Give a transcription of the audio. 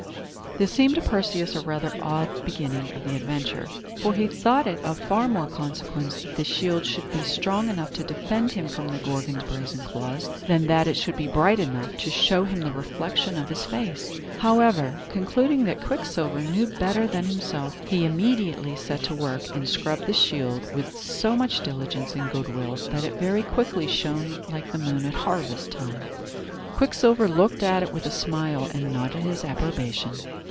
This seemed to Perseus rather an odd beginning of the adventure; for he thought it of far more consequence that the shield should be strong enough to defend him from the Gorgon's brazen claws, than that it should be bright enough to show him the reflection of his face. However, concluding that Quicksilver knew better than himself, he immediately set to work, and scrubbed the shield with so much diligence and good will, that it very quickly shone like the moon at harvest time. Quicksilver looked at it with a smile, and nodded his approbation.